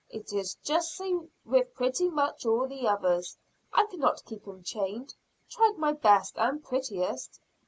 It is just sae with pretty much all the others. I cannot keep them chained, try my best and prettiest."